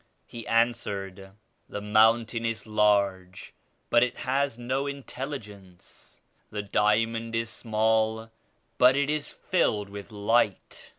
He answered. "The mountain is large but it has no intelligence. The diamond is small but it is filled with light.